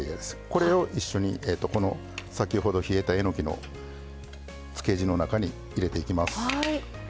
これを一緒に先ほど冷えたえのきのつけ汁の中に入れていきます。